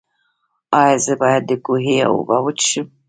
ایا زه باید د کوهي اوبه وڅښم؟